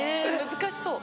難しそう。